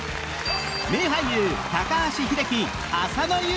名俳優高橋英樹浅野ゆう子